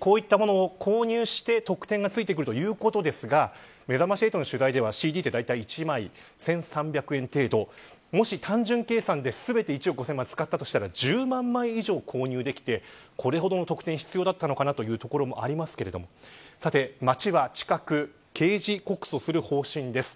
こういったものを購入して特典がついてくるということですがめざまし８の取材では、ＣＤはだいたい１枚１３００円程度もし単純計算で全て１億５０００万使ったとしたら１０万枚以上購入できてこれほどの特典が必要だったのかなというところもありますが町は近く刑事告訴する方針です。